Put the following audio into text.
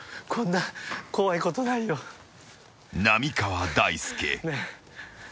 ［浪川大輔］